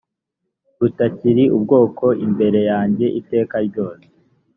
rutakiri ubwoko imbere yanjye iteka ryose